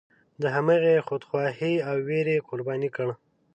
د همغې خودخواهۍ او ویرې قرباني کړ.